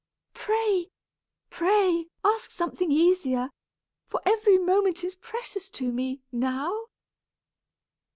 Pray, pray ask something easier; for every moment is precious to me, now."